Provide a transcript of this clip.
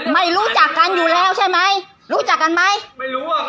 ไม่รู้จักกันอยู่แล้วใช่ไหมรู้จักกันไหมไม่รู้ว่า